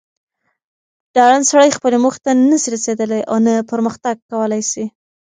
ډارن سړئ خپلي موخي ته نه سي رسېدلاي اونه پرمخ تګ کولاي سي